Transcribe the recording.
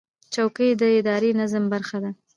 چوکۍ د اداري نظم برخه ده.